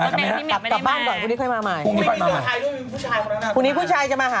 กลับบ้านก่อนคุณนี่ค่อยมาใหม่